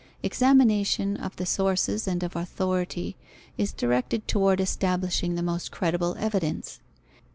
Examination of the sources and of authority is directed toward establishing the most credible evidence.